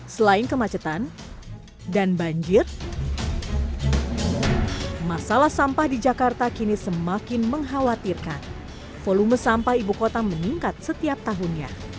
selain kemacetan dan banjir masalah sampah di jakarta kini semakin mengkhawatirkan volume sampah ibu kota meningkat setiap tahunnya